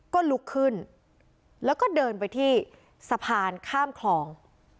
ก็ลุกขึ้นแล้วก็เดินไปที่สะพานข้ามคลอง